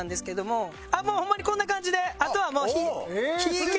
もうホンマにこんな感じであとはもう火消して。